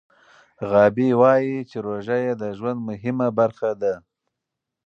غابي وايي چې روژه یې د ژوند مهمه برخه ده.